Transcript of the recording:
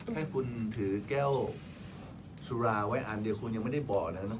ถ้าคุณถือแก้วสุราไว้อันเดียวคุณยังไม่ได้บอกนะครับ